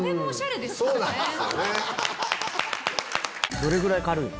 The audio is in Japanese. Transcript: どれぐらい軽いの？